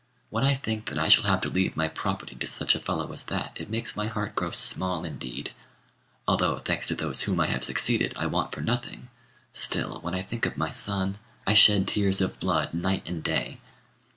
When I think that I shall have to leave my property to such a fellow as that, it makes my heart grow small indeed. Although, thanks to those to whom I have succeeded, I want for nothing, still, when I think of my son, I shed tears of blood night and day."